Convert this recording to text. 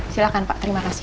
silakan pak terima kasih